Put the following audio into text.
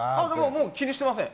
もう気にしてません。